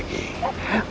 untuk mencari kakakmu